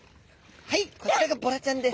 はいこちらがボラちゃんです。